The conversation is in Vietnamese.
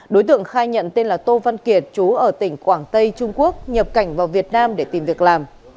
đối tượng khai nhận tên là tô văn kiệt chú ở tỉnh quảng tây trung quốc nhập cảnh vào việt nam để tìm việc làm